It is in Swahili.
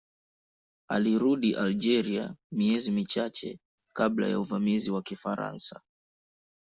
Alirudi Algeria miezi michache kabla ya uvamizi wa Kifaransa.